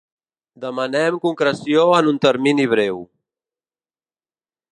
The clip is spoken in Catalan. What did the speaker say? Demanem concreció en un termini breu.